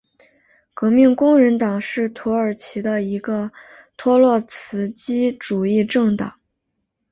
革命工人党是土耳其的一个托洛茨基主义政党。